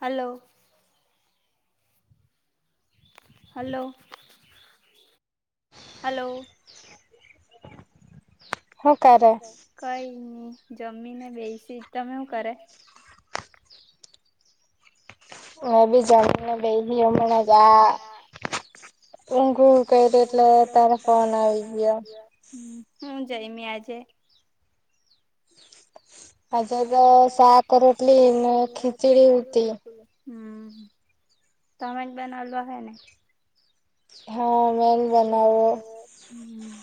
Hello hello hello હૂ કરે કઈ નઈ જમીને બેસી તમે હૂ કરે હવેજ જમીન બેઠી હમણાજા ઉક કઈ રટ લ તારફનાવી ગયા હું જઈમી આજે હજે તો સાક રોટલી ને ખીચડી હતી હમ તમે જ બનાવલ હ ને હમેલ બનાવો હંમ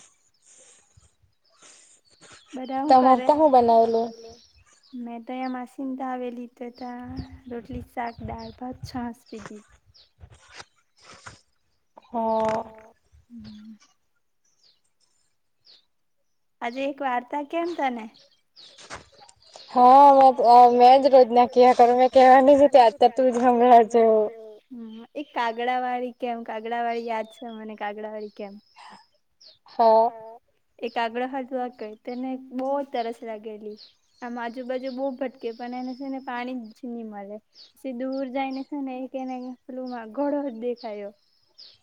બધા હું કરે [unintelligible] મેં તો અહીંયા માસીના તયા આવેલી તો ત્યા રોટલી શાક દાળ ભત છસ પીધી હ આજે એક વાર્તા કેમ તને હા મેં જ રોજ ના ક કરું મેં કવાની છે ત્યાંત તું જ ગંગળ જવુ [unintelligible] [unintelligible] [unintelligible] [unintelligible] હ એક કાગડા વાળી કેમ કાગડા વાળી યાદ છે મને કાગડા વાળી કેમ હા એક આગળ હવા ક તેને બહ તરસ લાગેલી આમ આજુબાજુ બહુ ભટકે પણ એને છે ને પાણી જ નહી મળે પછી દૂર જાય ને છે ને ને પલમાં ગળો જ દેખાયો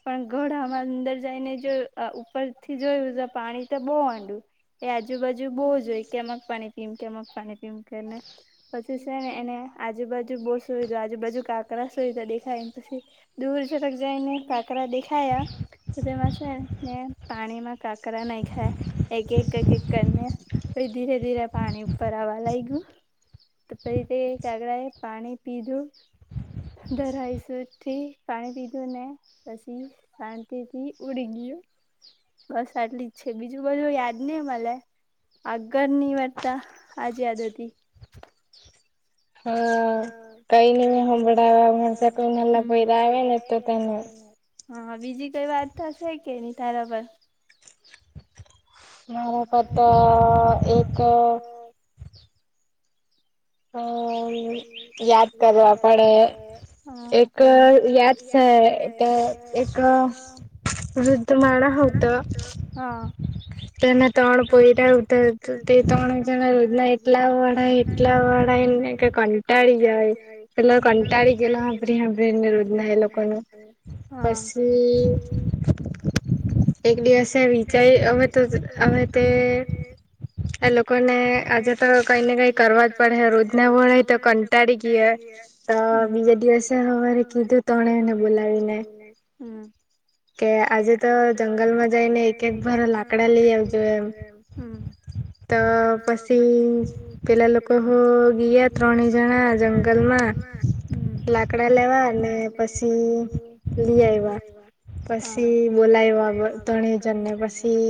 પણ ઘળમાં અંદર જઈને જો ઉપરથી જોયું તો પાણી તો બહુ આંડું એ આજુબાજુ બહુ જ હોય કેમક પાણી પીમ કેમક પાણી પીમ કરીને પછી છે ને એને આજુબાજુ બોસોઈધું આજુબાજુ કાકરા સોઈધા દેખાય ને પછી દૂર ચડક જાય ને કા એક દેખાયા તમાં છે હ પાણીમાં કાકરા નહી ખાય એક એક એક એક કરીને ધીરે ધીરે પાણી ઉપર આવે વા લાગ ગું તો પછી કાગડા એ પાણી પીધું દરાઈસ થી પાણી પીધું ને પછી શાંતિ થી ઉડી ગયું બસ આટલી જ છે બીજું બધું યાદ ને મલા આગળની વાર્તા આજ આદ હતી હમ કઈ નં સાભળાવવાણ કઈ નાલા પરા આવે ને તો તનુ [unintelligible] હા બીજી કઈ વાત તો હશે કે નહી તારા પર મારા પપ્પા એક હમ યાદ કરવા પડે એક યાદ છે. એટ એક વૃધ મા હઉ તો હ તો એના ત્રણ પોયરા ઉધ તે ત્રણ જણા રજના એટલા વડા એટલા એટ એને ક કંટાળી ગય એટ કંટાળી ગેલો રજ્નાે લોકોને પસી એક દિવસે વિચાઈ હવે તો હવે તે એ લોકોને આજે તો કઈ ને કઈ કરવા જ પડે રોજને કોણ તો કંટાડી ક તો બીજ દિવસ હોવારે કધું તણે એને બોલાવી નઈ [inaudible] કે આજે તો જંગલમાં જઈને એક એક ભર લાકડા લઈ આવજો એમ તો પછી પહેલા લોકો લોકો હ ગયા ગયા ત્રણે જણા જંગલ માં હ લાકડા લેવા અને પછી લી આઇવા પછી બોલાવવા તણેજર ને પછી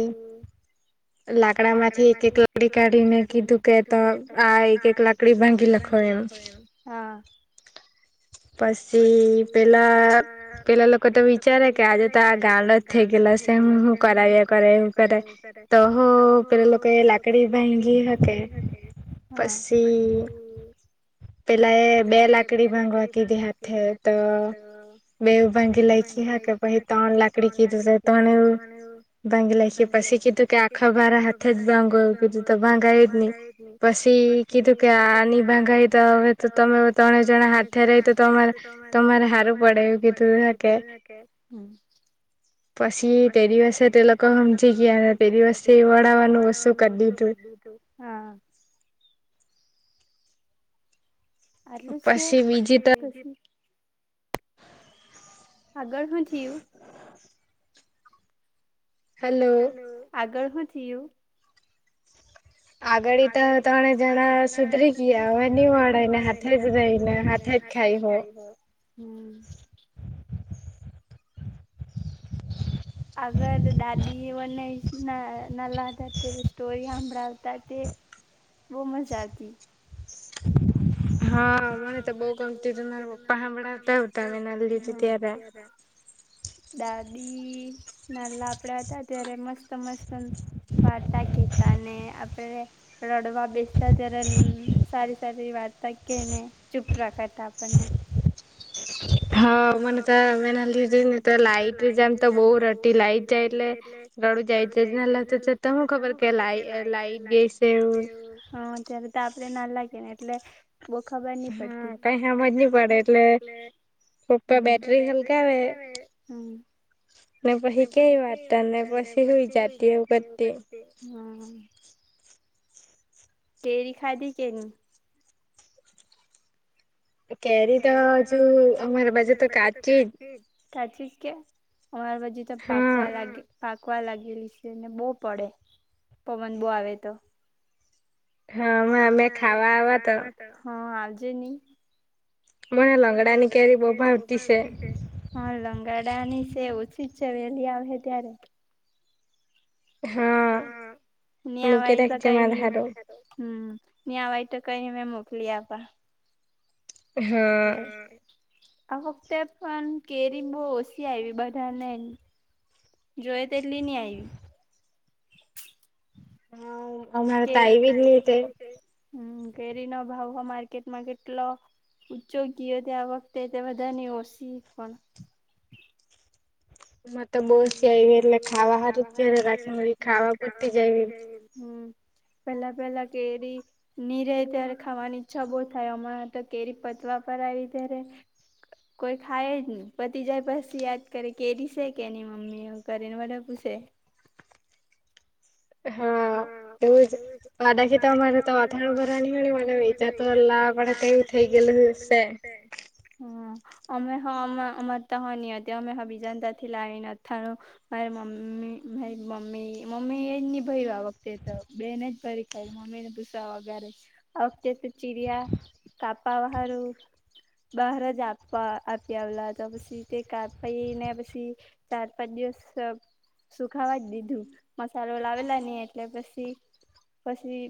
લાકડા માંથી એક એક લાકડી કાઢીને કીધું કે તો આ એક એક લાકડી ભ ડી ભંગી લખો એ હા પછી પેલા પેલા લોકો તો વિચારે કે આજે તો આ ગાંડ જ થઇ ગયા હું કરવ કર હ કરે તો પેલો એ લાકડી ભાઈકી પછી પેલા એ બે લાકડી ભગવા ગંગા કે દહત હે તો બેવ ભાંગી લઈખી હ કે પછ ત્રણ લાકડી કીધું છે ત્રણ એવું ભાંગી લેખી પછી કીધું કે આખ ભાર હાથે જ ભંગવ કધું તો ભંગાય જ ન પછી કી તું ક્યા કીધું કે આની ભંગાવતા હવે તો તમે ત જણા હાથે રરે તમારે સારું પડે એવું કીધુંને કે પછી તે દિવસે તે લોકો સમજી ગયા ને તે દિવસે એ વળાવવાનું વસ્તુ કરી દીધું ું હા આટલું જ કે પછી આગળ શું થયું? હ આગળ શું થયું આગળ તો ત્રણે જણા સુધરી ગયા હવે ની વળેને હાથે જ રઈ ને હાથે જ ખાઈ ખાઈ હમ અગર દાદી એઓને ના લતા તે તો સ્ટોરી સાંભળાવતા તે બહુ મજા આતી [inaudible] હા મને તો બોહ ગમતી પામડા હતા ત લ ત્યારે દાદી નાલા આપડા હતા ત્યારે મસ્ત મસ્ત વાર્તા કેતા ને આપડે રડવા બેસતા ત્યારે સારી સારી વાત કેને ચુપ કરાતા આપણને હા મને તો મે લીધું ને તો લાઈટમ તો બહતી લાઈટ જાય એટલે ળ જાય તમું ખબર કે લાઇ [unintelligible] જ છે. આપ ના લાગે ને એટલે બઉ ખબર નહ પડતી. બેટરી હલકા આવે ને પછી કેવી વાતતા ને પછી સુઈ જતી એ બત કેરી ખાધી કે ની? કેરી તો હજુ અમારા બાજુ તો કાચી જ સાચી જ કે અમારા બાજુ તો પાકવા લાગે પાક મૂકવા લાગેલી છે ને બહ પડે પવન બહ આવે તો. હા અમે ખાવા તો હ હા આવજે ની. મ લંગડાની કેરી બી હા લંગડા ની સ ઓછી. ઓછી જ છે વહેલી આવે ત્યારે. હા [unintelligible] ની અવાય તો કંઈ નહી મેં મોકલી આપા. હાં. આ વખતે પણ કેરી બહ ઓછી આવી બધાને જોયે તેટલી ની આઈવી. અમારા તા આ એવી જ ની‌ તે. હમ કેરી નો ભાવ માર્કેટમાં કેટલો ઉચો ગીઓ આ વખતે બધાની ઓશી પણ. હ તો બહુ જય એલે ખાવા હાર રાખીને ખાવા પતી જાય એ પેલા પેલા કેરી ની રહે ત્યારે ખાવાની ઈચ્છા બહુ થાય હમણા તો કેરી પ પતવા આવી ત્યારે કોઈ ખાય જ ને પતી જાય પછી યાદ કરે કેરી છે. કેની મમ્મી કરીને બધા પૂસે. હા એવું જ [unintelligible] તો અમારે તો અથાણું ભરવાની પણ ની મળે વેચાતું લાવવું પડે તેવું થઈ ગયું છે. હમ અમે હ અમાર તો હ નિહતી અમે હ બીજનતા લ એ અથાણુ મારી મમ્મી ભાઈ મમ્મી મમ્મી એ ભરીયુ આ વખતે તો બેને જ ભરી ખાય મમ્મી ને પૂછવા વગાર જ આ વખતે તો ચીડિયા કાપવા હારું બહાર જ આપવા આપી આવેલા તો પછી તે કાપીને પછી ચાર પાંચ દિવસ સુ ખાવા જ દીધું મસાલો લાવેલા નને એટલે પછી પછી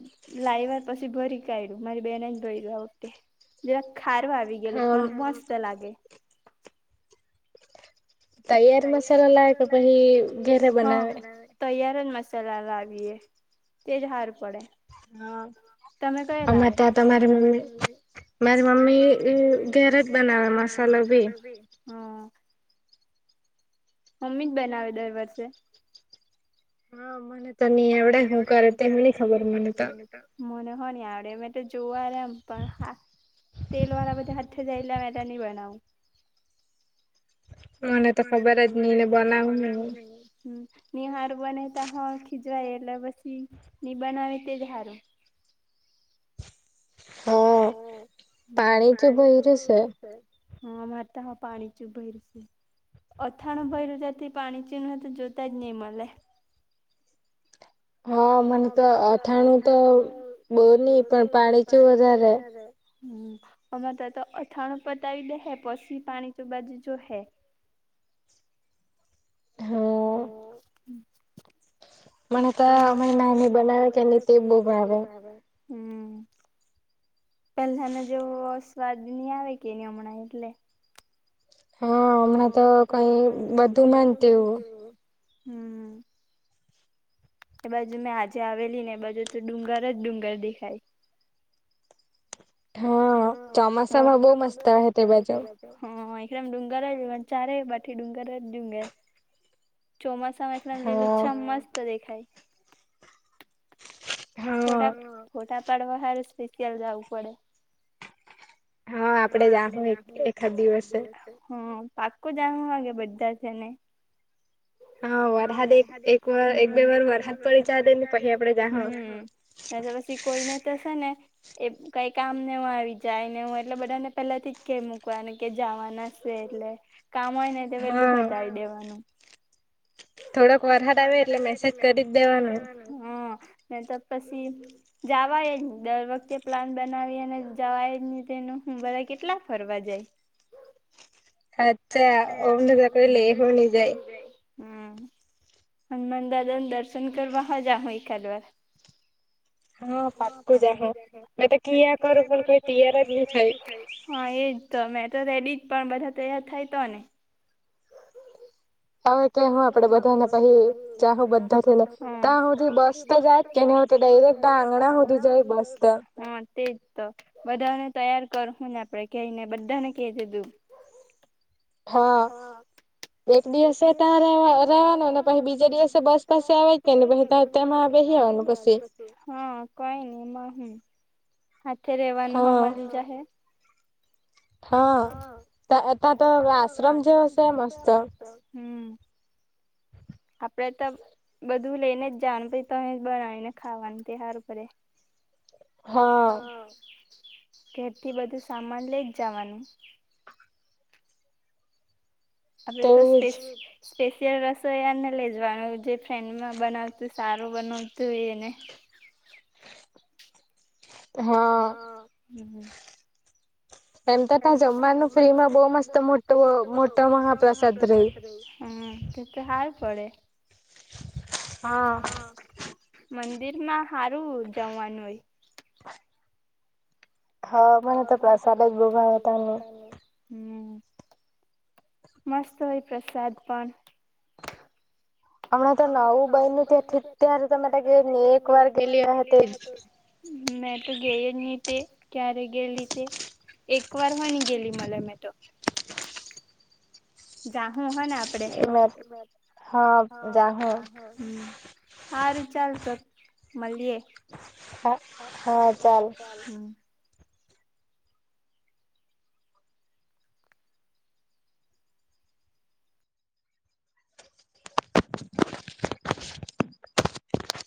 લાયવા વપછી ભરી કાઢ્યું મારી બેને જ ભયરૂ આ વખતે. હારવા આવી ગયલું પણ મસ્ત લાગે. તૈયાર મસાલા લ તો તૈ પહી [unintelligible] હ મસાલા લાવીએ તેજ હારૂ પડે. હા. તમે કયા લાવે? અમાર તા તો મારી મમ્મી મારી મમ્મી ઘેરેજ મમ્મી જ બનાવે દર વર્ષે. હ, મને ત ની આવડે હું કરે તે બી ની ખબર મને તો. મને હો ની આવડે મેં તો જોવા ર એમ પણ તેલ વાળા બધા [inaudible] હને તો ખબર જ નને બોલાનું ની હારું બના ત હ ખીજવાય એટલે પછી ની બનાવે તેજ હારું [inaudible] હા હ પાણી ભ છે હા મારે તો હ પાણી ચ ઉભય ર છે અથાણું ભરલ્યું તથી પાણી ચીનું તો જોતા જ નહી મળે હા મને તો અથાણું તો બહ નહી પણ પાણી છ વધારે હમ અમા તો તો અથાણું પતાવી દે હે પછી પાણી તો બાજુ જો હે [inaudible] [inaudible] મને તો અ નાની બનાવે કે નહી તે બહ આવે હમ પેલાનો જેવો સ્વાદ નહી આવે કે એ હમણાં એટલે હા હમણાં તો કઈ બધું માનતીવું હમ એ બાજુ મેં આજે આવેલી ને એ બાજુ તો ડુંગર જ ડુંગર દેખાય હા ચોમાસામાં બહુ મસ્ત હ તે બાજ મ ડુંગર જ ચારે પી ડુંગર જ ડુંગર ચોમાસા લીલુચછમ મસ્ત દેખાય વધારે સ્પેશિયલ જવું પડે હા આપડે જાું એકાદ દિવસે પાકો જામ વાગે બધા છે ને હા વરહદ એક એક વાર એક બે વાર વરહદ પડી જને પછી આપડે જા હમ તો પછી કોઈને તોશે ને એ કઈ કામ નેવ આવી જાય ને હું એટલે બધાને પેલાથી જ કે મૂકવાનું કે જવાના હ છે એટલે કામ હોય ને તે પેલું બતાવી દેવાનું થોડોક વરહદ આવે એટલે મેસેજ કરી જ દેવાનું ને તો પછી જવાયજ દર વખતે પ્લાન બનાવી અને જવાય જ તેનું ું બધા કેટલા ફરવા જાય અચ્છા અમનેતા કર લ એવને જાય હમ હનુમાન દાદાન દર્શન કરવા હજા હોય કલવાર એ તો મેમે તો રેડી જ પણ બધા તૈયાર થાય તો ને હવે કે હું આપડે બધા ને પછી જાહ બધા છે ને ત્યા હુંધ બસ તો જાય કે ન હોત ડાયરેક્ટ ડંગણા હોદી જાય બસ તો તેજ તો બધાને તૈયાર કર હું ને આપડે કઈને બધા ને ક દીધું હા એક દિવસે ત્યાવા રવાનો ને પછી બીજા દિવસે બસ પાસે આવે કેને પછ તમાં આવે હા કોઈ નઈ હું હાથે રેવાનું હમારીજા હ હા એ તો આશ્રમ છે છે મસ્ત આપડે તો બધું લઈને જ જાણ પ તોમે જ બનાવીને ખાવાનું તહાર ઉપડે હા ઘથી બધું સામાન લઈ જ જવાનું અ તો સ્પે સ્પેશિયલ રસોઈયાને લેજવાનું જે ફ્રેન્ડમાં બનાવતું સારું બનાવતું હોય એને હા હમ એમ તો ત્યાં જમવાનું ફ્રીમાં બહ મસ્ત મોટ મોટો મહાપ્રસાદ રહી હમ તે તો હાર પડે મંદિર માં સારું જમવાનું હોય હ પણ તો પ્રસાદ મસ્ત હોય પ્રસાદ પણ હમણાં તો નવું બ ન ત્યા ત્યારે તોમે ગ એક વાર ગેલી મેં તો ગય જ નહી તે ક્યારે ગયેલી તે એક વાર હોની ગેલી મલા મે તો જાહું હોને સારું ચાલ મલ્યે હા હા ચાલ